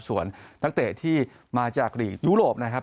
ส่วนนักเตะที่มาจากหลีกยุโรปนะครับ